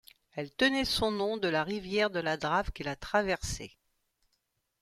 Elle tenait son nom à la rivière de la Drave qui la traversait.